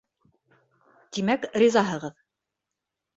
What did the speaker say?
Тимәк, ризаһығыҙ?